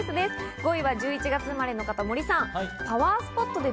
５位は１１月生まれの方、森さん。